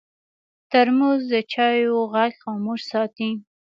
ترموز د چایو غږ خاموش ساتي.